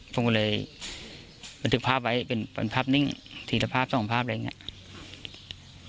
ผมก็เลยบันทึกภาพไว้เป็นภาพนิ่งทีละภาพสองภาพอะไรอย่างนี้